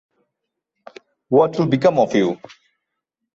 What will become of you?